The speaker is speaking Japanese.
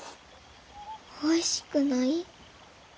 おいしくない？